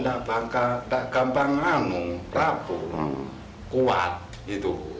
ya bangka gak gampang ngamung rapuh kuat gitu